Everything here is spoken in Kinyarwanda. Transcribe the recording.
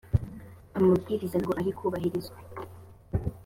amabwiriza ntago arikubahirizwa.